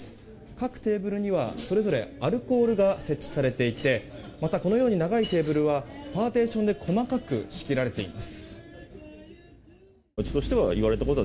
各テーブルにはそれぞれアルコールが設置されていてこのように長いテーブルはパーティションで細かく仕切られています。